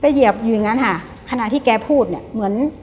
เหยียบอยู่อย่างงั้นค่ะขณะที่แกพูดเนี่ยเหมือน